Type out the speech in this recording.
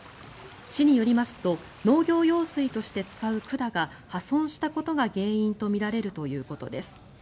市によりますと農業用水として使う管が破損したことが原因とみられるということです。